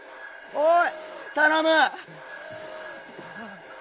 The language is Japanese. ⁉おい！